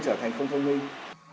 trở thành không thông minh